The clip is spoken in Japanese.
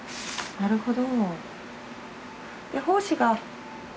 なるほど。